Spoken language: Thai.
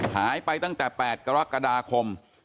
หายไปตั้งแต่๘กรกฎาคม